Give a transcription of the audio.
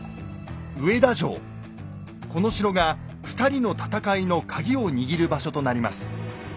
この城が２人の戦いのカギを握る場所となります。